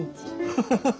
ハハハハハ。